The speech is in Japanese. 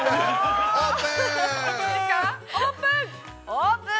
オープン！